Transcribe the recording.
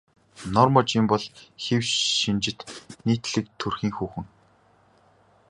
Норма Жин бол хэв шинжит нийтлэг төрхийн хүүхэн.